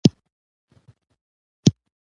جامد جسم په مایع، مایع په ګاز بدلولی شو.